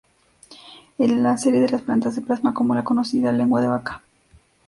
En la serie de las plantas se plasma como la conocida lengua de vaca.